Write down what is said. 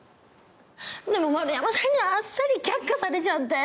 でも丸山さんにはあっさり却下されちゃって。